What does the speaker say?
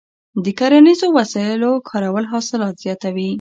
د کرنیزو وسایلو کارول حاصلات زیاتوي.